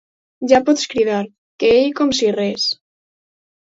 Ja pots cridar, que ell com si res.